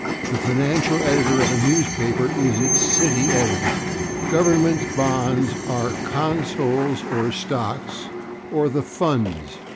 The financial editor of a newspaper is its /City/ editor. Government bonds are /consols/, or /stocks/, or the /funds